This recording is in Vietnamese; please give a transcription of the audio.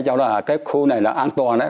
thằng tây cho là cái khu này là an toàn đấy